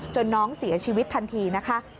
น้องเสียชีวิตทันทีนะคะ